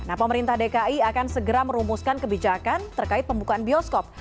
nah pemerintah dki akan segera merumuskan kebijakan terkait pembukaan bioskop